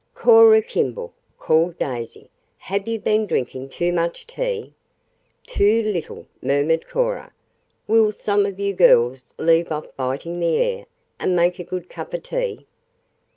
"Cora Kimball," called Daisy, "have you been drinking too much tea?" "Too little," murmured Cora. "Will some of you girls leave off biting the air, and make a good cup of tea?"